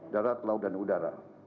darat laut dan udara